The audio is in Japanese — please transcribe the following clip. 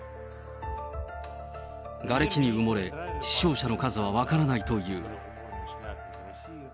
がれきに埋もれ、死傷者の数は分からないという。